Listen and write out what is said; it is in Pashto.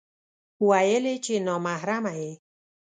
ويل يې چې نا محرمه يې